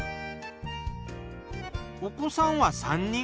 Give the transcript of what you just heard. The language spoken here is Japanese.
お子さんは３人。